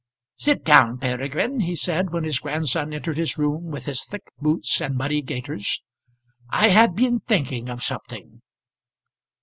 "Sit down, Peregrine," he said, when his grandson entered his room with his thick boots and muddy gaiters. "I have been thinking of something."